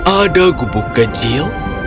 ada gubuk kecil